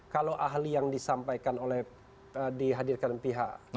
kalau ahli yang disampaikan oleh dihadirkan pihak